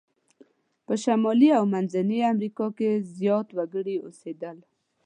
په شمالي او منځني امریکا کې زیات وګړي اوسیدل.